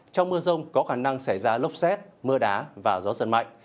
trong mưa rông có khả năng xảy ra lốc xét mưa đá và gió giật mạnh